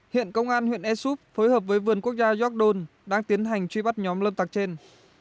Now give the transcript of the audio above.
hiện công an huyện ea súp phối hợp với vườn quốc gia gióc đôn đang tiến hành truy bắt nhóm lâm tặc trên